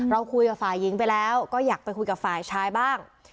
เราคุยกับฝ่ายหญิงไปแล้วก็อยากไปคุยกับฝ่ายชายบ้าง